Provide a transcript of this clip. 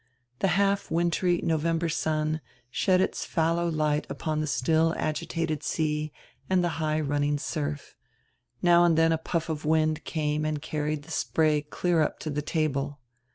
The half wintery November sun shed its fallow light upon the still agitated sea and the high running surf. Now and then a puff of wind came and carried the spray clear up to die table.